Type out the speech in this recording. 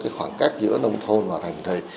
cái khoảng cách giữa nông thôn và thành thị